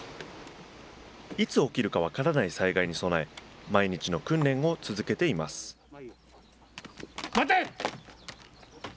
いつ起きるか分からない災害に備え、毎日の訓練を続けていま待て。